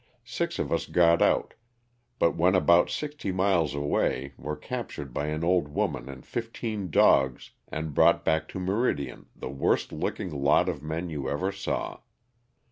Six of us got out, but when about sixty miles away were recaptured by an old woman and fifteen dogs and brought back to Meridian the worst looking lot of men you ever saw.